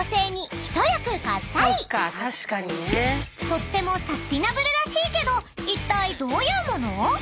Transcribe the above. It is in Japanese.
［とってもサスティナブルらしいけどいったいどういうもの？］